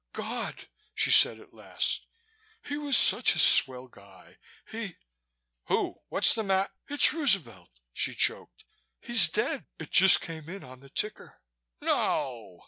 "God!" she said at last. "He was such a swell guy. He " "Who? What's the mat " "It's Roosevelt!" she choked. "He's dead. It just came in on the ticker." "No!"